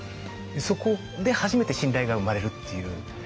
そこで初めて信頼が生まれるっていう。